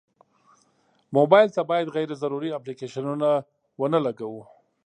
موبایل ته باید غیر ضروري اپلیکیشنونه ونه لګوو.